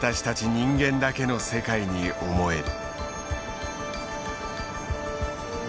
人間だけの世界に思える。